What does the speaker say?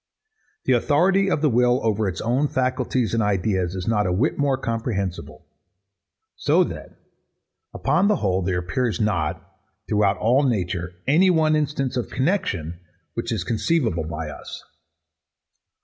The authority of the will over its own faculties and ideas is not a whit more comprehensible: So that, upon the whole, there appears not, throughout all nature, any one instance of connexion which is conceivable by us.